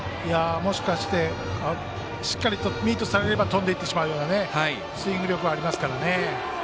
もしかしてしっかりとミートされれば飛んでいってしまうようなスイング力ありますからね。